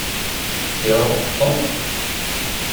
Iṛuḥ-d Tom?